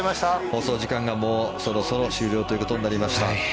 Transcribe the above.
放送時間がもうそろそろ終了ということになりました。